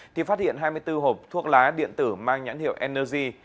thì phát hiện hai mươi bốn hộp thuốc lá điện tử mang nhãn hiệu energ